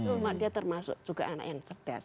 cuma dia termasuk juga anak yang cerdas